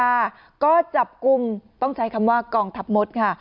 ถ้าจับกุมต้องใช้คำว่ากองทับมดค่ะ